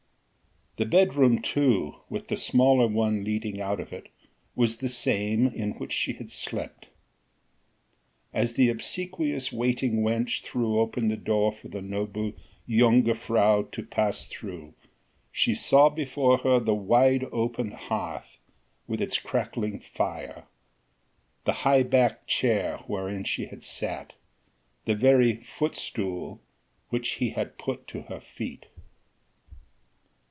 The bedroom too, with the smaller one leading out of it, was the same in which she had slept. As the obsequious waiting wench threw open the door for the noble jongejuffrouw to pass through she saw before her the wide open hearth with its crackling fire, the high backed chair wherein she had sat, the very footstool which he had put to her feet.